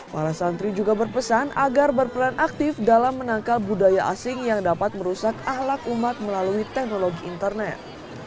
para santri juga berpesan agar berperan aktif dalam menangkal budaya asing yang dapat merusak ahlak umat melalui teknologi internet